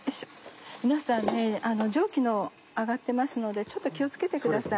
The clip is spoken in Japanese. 皆さん蒸気が上がってますのでちょっと気を付けてください。